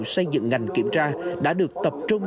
xây dựng ngành kiểm tra đã được tập trung